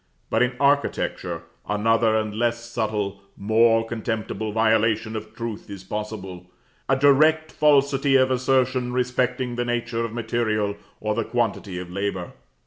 But in architecture another and a less subtle, more contemptible, violation of truth is possible; a direct falsity of assertion respecting the nature of material, or the quantity of labor.